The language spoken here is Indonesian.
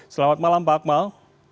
selamat malam pak akmal